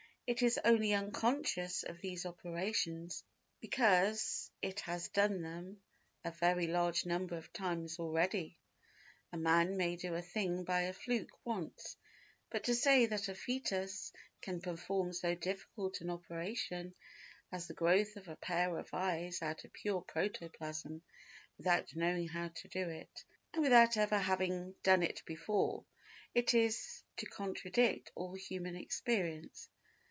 . It is only unconscious of these operations because it has done them a very large number of times already. A man may do a thing by a fluke once, but to say that a foetus can perform so difficult an operation as the growth of a pair of eyes out of pure protoplasm without knowing how to do it, and without ever having done it before, is to contradict all human experience.